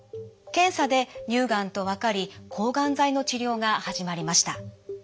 「検査で乳がんと分かり抗がん剤の治療が始まりました。